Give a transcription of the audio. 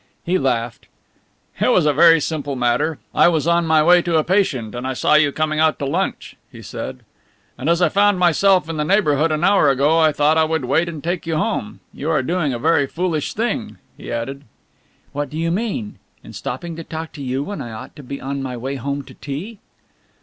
He laughed. "It was a very simple matter. I was on my way to a patient and I saw you coming out to lunch," he said, "and as I found myself in the neighbourhood an hour ago I thought I would wait and take you home. You are doing a very foolish thing," he added. "What do you mean in stopping to talk to you when I ought to be on my way home to tea?"